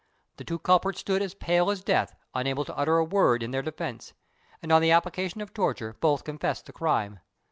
_" The two culprits stood there as pale as death, unable to utter a word in their defence; and on the application of torture both confessed the crime.